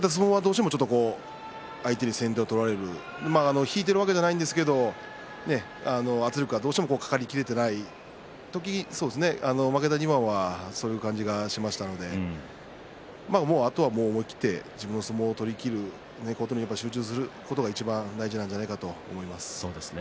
負けた相撲はどうしても相手に先手を取られる引いているわけではないんですが圧力はどうしてもかかり切れていない時に負けたりそういう感じがしましたのであとはもう思い切って自分の相撲を取りきることに集中することがいちばん大事なんじゃないかと思います。